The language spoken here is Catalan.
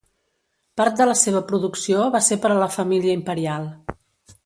Part de la seva producció va ser per a la família imperial.